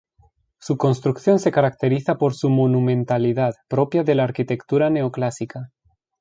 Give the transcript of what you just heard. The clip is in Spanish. Su construcción se caracteriza por su monumentalidad, propia de la arquitectura neoclásica.